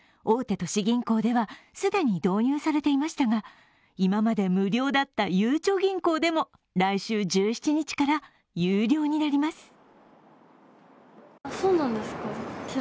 大手都市銀行では既に導入されていましたが今まで無料だったゆうちょ銀行でも来週１７日から有料になります。